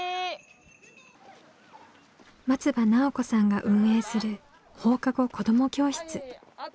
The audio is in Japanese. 松場奈緒子さんが運営する放課後子ども教室。